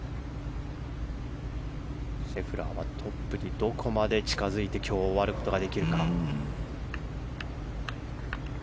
シェフラーはトップにどこまで近づいて今日、終わることができるか。